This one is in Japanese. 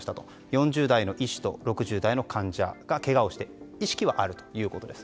４０代の医師と６０代の患者がけがをして意識はあるということです。